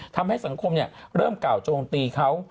ทำให้สังคมเริ่มกล่าวโจมตีเขา